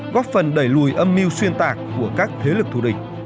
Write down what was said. góp phần đẩy lùi âm mưu xuyên tạc của các thế lực thù địch